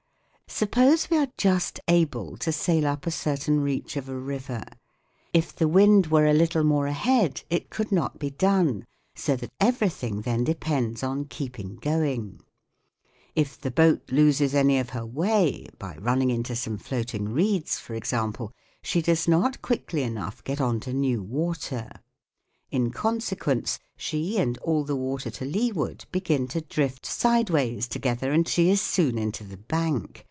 Suppose we are just able to sail up a certain reach of a river. If the wind were a little rrore ahead it could not be done, so that everything then depends on keeping going. If the boat loses any of her way, by running into some floating reeds, for example, she does not quickly enough get on to new water ; in conse quence, she and all the water to leeward begin to drift sideways to gether and she is soon into the bank.